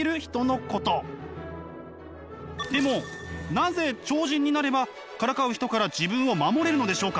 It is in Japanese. でもなぜ超人になればからかう人から自分を守れるのでしょうか？